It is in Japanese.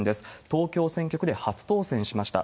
東京選挙区で初当選しました。